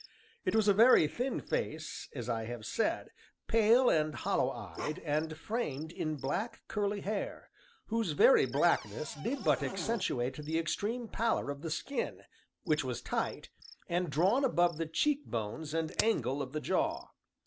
It was a very thin face, as I have said, pale and hollow eyed and framed in black curly hair, whose very blackness did but accentuate the extreme pallor of the skin, which was tight, and drawn above the cheek bones and angle of the jaw.